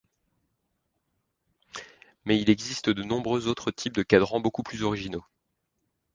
Mais il existe de nombreux autres types de cadrans beaucoup plus originaux.